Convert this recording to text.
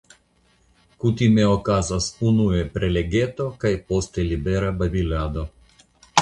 Kutime okazas unue prelegeto kaj poste libera babilado.